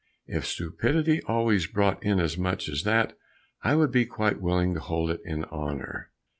If stupidity always brought in as much as that, I would be quite willing to hold it in honor."